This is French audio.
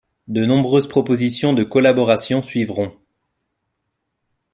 De nombreuses propositions de collaborations suivront.